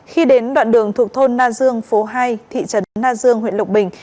khi đến đoạn đường thuộc thôn na dương phố hai thị trấn na dương huyện lộc bình